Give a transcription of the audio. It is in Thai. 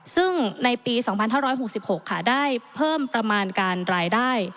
ซึ่งในปี๒๕๖๖ค่ะได้เพิ่มประมาณการรายได้